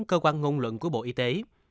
cơ quan ngôn luận của bộ y tế